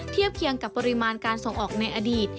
เทียบเคียงกับปริมาณการส่งออกในอดีต